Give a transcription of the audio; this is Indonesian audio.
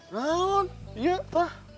rahun iya pak